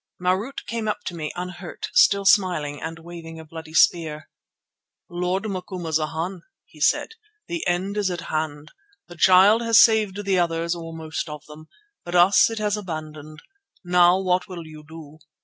Marût came up to me, unhurt, still smiling and waving a bloody spear. "Lord Macumazana," he said, "the end is at hand. The Child has saved the others, or most of them, but us it has abandoned. Now what will you do?